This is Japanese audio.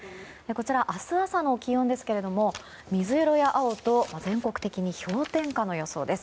明日朝の気温ですけども水色や青と全国的に氷点下の予想です。